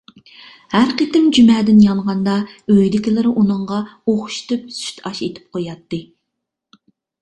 ھەر قېتىم جۈمەدىن يانغاندا ئۆيدىكىلىرى ئۇنىڭغا ئوخشىتىپ سۈتئاش ئېتىپ قوياتتى.